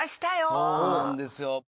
そうなんですよ。